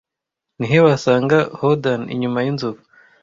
Ni he wasanga howdah Inyuma yinzovu